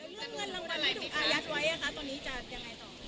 แล้วเรื่องเงินลงรับไม่ถูกอายัดไว้อะคะตอนนี้จะยังไงต่อ